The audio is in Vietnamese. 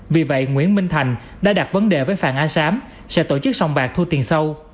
vì vậy nguyễn minh thành đã đặt vấn đề với phàng a sám sẽ tổ chức sòng bạc thu tiền sâu